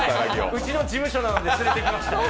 うちの事務所なので連れてきました。